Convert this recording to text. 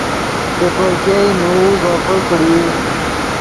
دے کوئے ګئے نؤ زوپے کڑیئی